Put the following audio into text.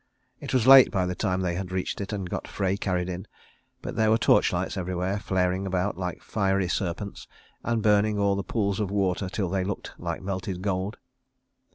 It was late by the time they had reached it and got Frey carried in; but there were torchlights everywhere flaring about like fiery serpents, and burning all the pools of water till they looked like melted gold.